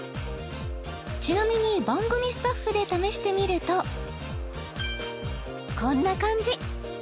ちなみに番組スタッフで試してみるとこんな感じ